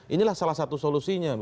inilah salah satu solusinya